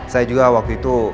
saya juga waktu itu